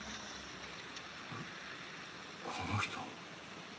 えっこの人。